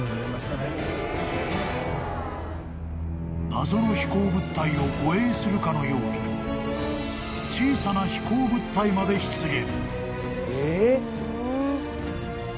［謎の飛行物体を護衛するかのように小さな飛行物体まで出現］